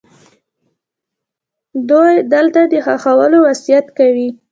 دوی دلته د ښخولو وصیت کوي.